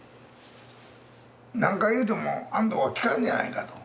何回言うても安藤は聞かんじゃないかと。